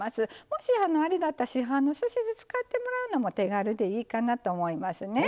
もしあれだったら市販のすし酢使ってもらうのも手軽でいいかなと思いますね。